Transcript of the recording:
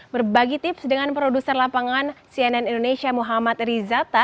berbagi tips dengan produser lapangan cnn indonesia muhammad rizata